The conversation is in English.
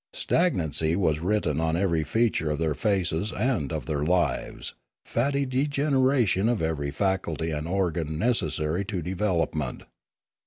Stagnancy was written on every feature of their faces and of their lives, fatty degeneration of every faculty and organ necessary to development.